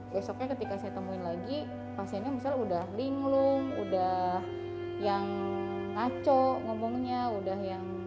besoknya ketika saya temuin lagi pasiennya misalnya udah linglung udah yang ngaco ngomongnya udah yang